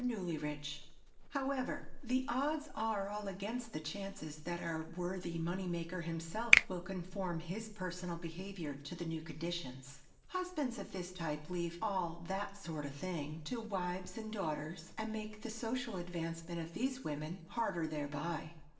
NEWLYRICH] However, the odds are all against the chances that our worthy money maker himself will conform his personal behavior to the new conditions. Husbands of his type leave "all that sort of thing" to wives and daughters, and make the social advancement of these women harder thereby.